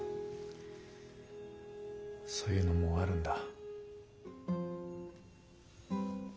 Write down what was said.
そういうのもうあるんだ。